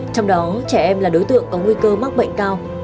trong đó trẻ em là đối tượng có nguy cơ mắc bệnh cao